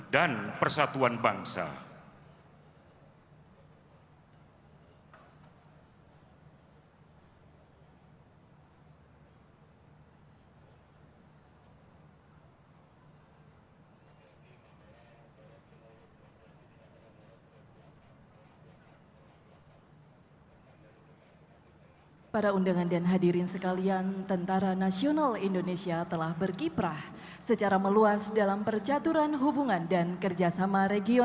dan persatuan bangsa